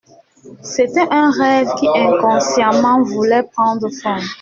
C'était un rêve qui inconsciemment voulait prendre forme.